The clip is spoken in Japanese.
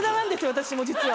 私も実は。